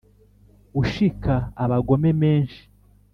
ushika abagome menshi